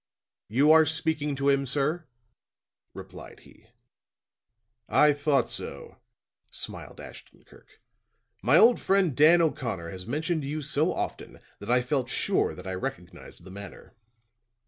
"You are speaking to him, sir," replied he. "I thought so," smiled Ashton Kirk. "My old friend Dan O'Connor has mentioned you so often that I felt sure that I recognized the manner."